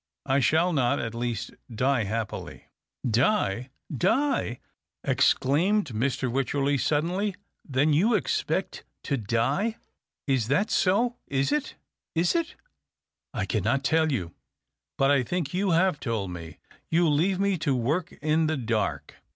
I shall not, at least, die happily." " Die ? Die ?" exclaimed Mr. Wycherley, suddenly. " Then you expect to die ? Is that so — is it — is it ?"" I cannot tell you." " But I think you have told me. You leave me to work in the dark.